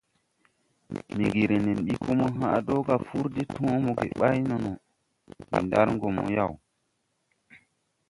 Miŋgiri: « Nen ɓi ko mo hãʼ do ga fur po de tõ moge ɓay no no, ndi ndar gɔ mo yawla? ».